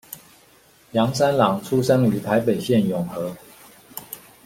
楊三郎出生於台北縣永和